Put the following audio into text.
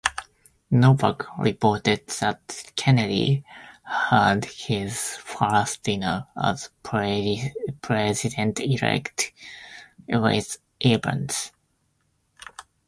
Novak reported that Kennedy had his first dinner as president-elect with Evans.